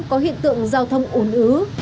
có hiện tượng giao thông ổn ứ